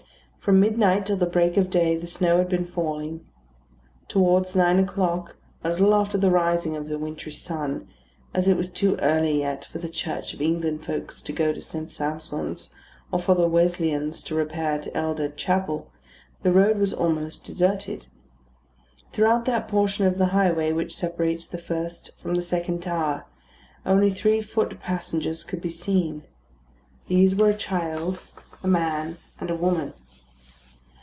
From midnight till the break of day the snow had been falling. Towards nine o'clock, a little after the rising of the wintry sun, as it was too early yet for the Church of England folks to go to St. Sampson's, or for the Wesleyans to repair to Eldad Chapel, the road was almost deserted. Throughout that portion of the highway which separates the first from the second tower, only three foot passengers could be seen. These were a child, a man, and a woman.